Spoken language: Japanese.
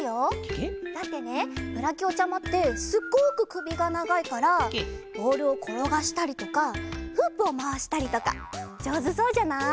ケケ？だってねブラキオちゃまってすっごくくびがながいからボールをころがしたりとかフープをまわしたりとかじょうずそうじゃない？